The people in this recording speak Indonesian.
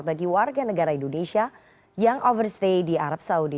bagi warga negara indonesia yang overstay di arab saudi